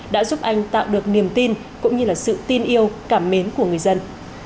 đã giúp anh tạo được niềm tin cũng như là sự tin yêu cảm mến của người dân